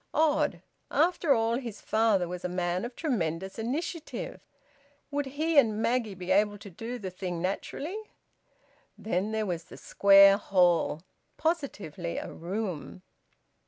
(Odd! After all, his father was a man of tremendous initiative.) Would he and Maggie be able to do the thing naturally? Then there was the square hall positively a room!